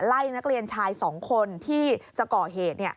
ไล่นักเรียนชายสองคนที่จะก่อเหตุเนี่ย